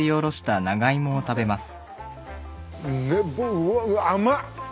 うわ甘っ。